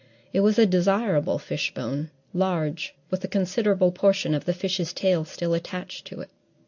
It was a desirable fishbone, large, with a considerable portion of the fish's tail still attached to it.